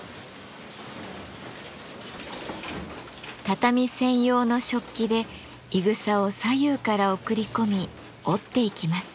畳専用の織機でいぐさを左右から送り込み織っていきます。